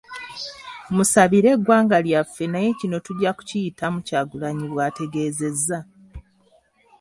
"Musabire eggwanga lyaffe naye kino tujja kukiyitamu.” Kyagulanyi bw'ategeezezza.